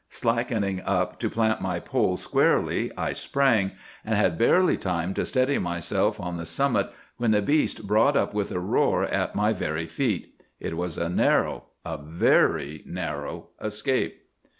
Slackening up to plant my pole squarely, I sprang, and had barely time to steady myself on the summit when the beast brought up with a roar at my very feet. It was a narrow, a very narrow escape.